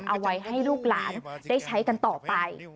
เอาไว้ให้ลูกหลานได้ใช้กันต่อไป